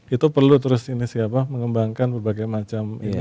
itu perlu terus mengembangkan berbagai macam ini